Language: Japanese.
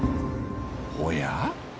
おや？